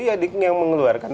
ya yang mengeluarkan